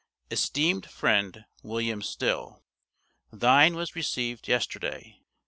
ESTEEMED FRIEND: WILLIAM STILL: Thine was received yesterday.